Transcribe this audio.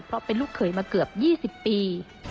เพราะเป็นลูกเขยมาเกือบ๒๐ปี